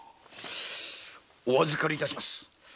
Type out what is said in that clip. お預かりいたします！